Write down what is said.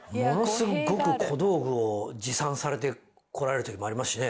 すっごく小道具を持参されてこられる時もありますしね